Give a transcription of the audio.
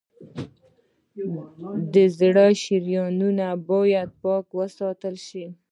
د زړه شریانونه باید پاک وساتل شي.